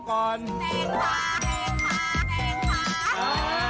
แต่งล่ะแต่งล่ะแต่งล่ะ